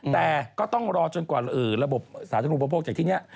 แต่ก็ต้องรอจนกว่าระบบสาธารณูปโภคจากที่นี่